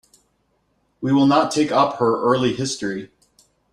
We will not take up her early history.